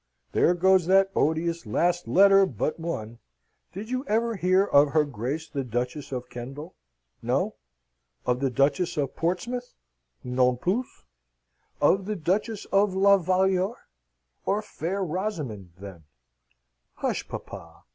"There goes that odious last letter but one! Did you ever hear of her Grace the Duchess of Kendal? No. Of the Duchess of Portsmouth? Non plus. Of the Duchess of La Valliore? Of Fair Rosamond, then?" "Hush, papa!